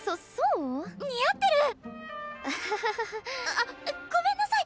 あごめんなさい！